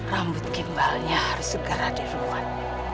rambut gimbalnya harus segera dirumuat